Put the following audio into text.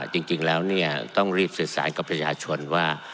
จริงจริงแล้วเนี่ยต้องรีบสื่อสารกับประชาชนว่า